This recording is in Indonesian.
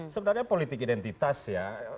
sebenarnya politik identitas ya